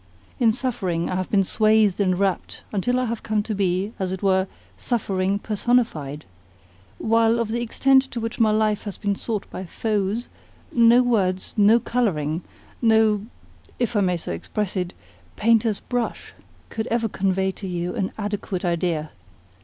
In suffering I have been swathed and wrapped until I have come to be, as it were, suffering personified; while of the extent to which my life has been sought by foes, no words, no colouring, no (if I may so express it?) painter's brush could ever convey to you an adequate idea.